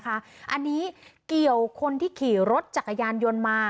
อันนี้เกี่ยวคนที่ขี่รถจักรยานยนต์มา